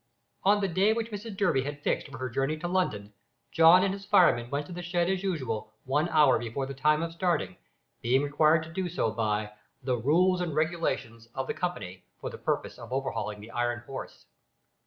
On the day which Mrs Durby had fixed for her journey to London, John and his fireman went to the shed as usual one hour before the time of starting, being required to do so by the "Rules and Regulations" of the company, for the purpose of overhauling the iron horse.